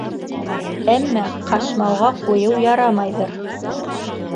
Әммә ҡашмауға ҡуйыу ярамайҙыр.